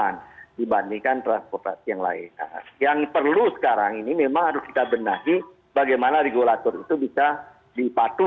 tapi ketinggian keselamatan manusia itu